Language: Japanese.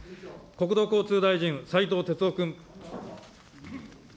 国土交通大臣、斉藤鉄夫君。